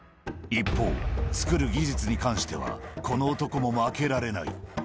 一方、作る技術に関しては、この男も負けられない。